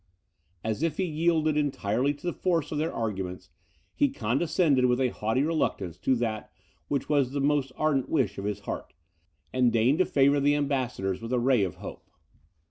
As if he yielded entirely to the force of their arguments, he condescended with a haughty reluctance to that which was the most ardent wish of his heart; and deigned to favour the ambassadors with a ray of hope.